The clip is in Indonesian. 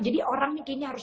jadi orangnya kayaknya harus